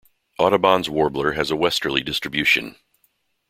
Audubon's warbler has a westerly distribution.